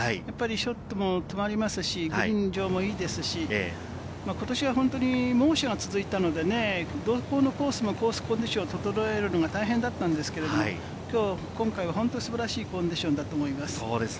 ショットも止まりますし、グリーン上もいいですし、ことしは本当に猛暑が続いたので、どのコースもコースコンディションを整えるのが大変だったんですけれど、今回は本当に素晴らしいコンディションだと思います。